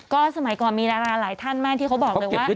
ก็สมัยก่อนมีดาราหลายท่านมากที่เขาบอกเลยว่า